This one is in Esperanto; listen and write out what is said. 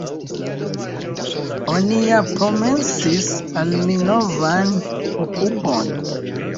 Oni ja promesis al mi novan okupon.